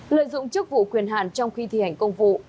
lợi dụng chức vụ quyền hạn trong khi thi hành công vụ